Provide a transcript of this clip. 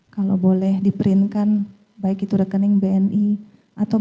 kalau boleh di printkan baik itu rekening bni atau bca atas nama ricky dan juga joshua